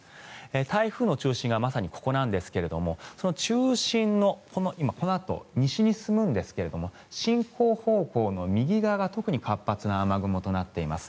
台風の中心がまさにここなんですがその中心のこのあと西に進むんですけど進行方向の右側が特に活発な雨雲となっています。